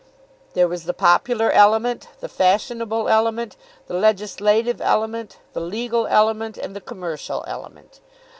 There was the popular element, the fashionable element, the legislative element, the legal element, and the commercial element.